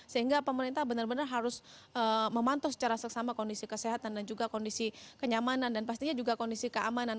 sehingga pemerintah benar benar harus memantau secara seksama kondisi kesehatan dan juga kondisi kenyamanan dan pastinya juga kondisi keamanan